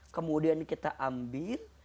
kemudian kita ambil